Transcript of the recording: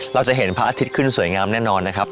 เราจะเห็นพระอาทิตย์ขึ้นสวยงามแน่นอนนะครับ